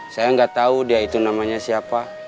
saya nggak tahu dia itu namanya siapa